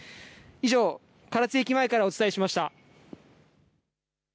以上、唐津駅前からお伝えしました。